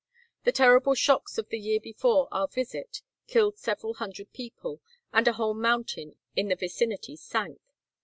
The terrible shocks of the year before our visit killed several hundred people, and a whole mountain in the vicinity sank.